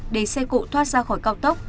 để xe cộ thoát ra khỏi cao tốc